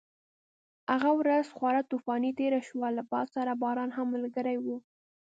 هغه ورځ خورا طوفاني تېره شوه، له باد سره باران هم ملګری و.